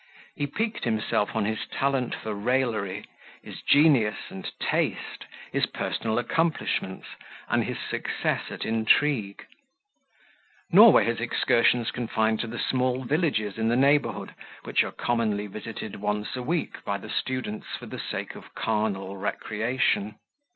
He piqued himself on his talent for raillery, his genius and taste, his personal accomplishments, and his success at intrigue. Nor were his excursions confined to the small villages in the neighbourhood, which are commonly visited once a week by the students for the sake of carnal recreation.